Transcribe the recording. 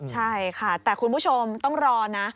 ใช่ค่ะแต่คุณผู้ชมต้องรอนะ